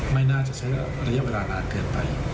ไม่น่าจะใช้ระยะเวลานานเกินไป